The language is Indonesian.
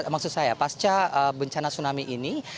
maksud saya pasca bencana tsunami ini